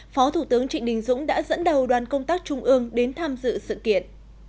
phó thủ tướng trịnh đình dũng đã dẫn đầu đoàn công tác trung ương đến tham dự sự kiện